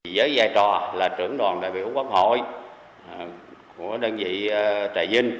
với giai trò là trưởng đoàn đại biểu quốc hội của đơn vị trại vinh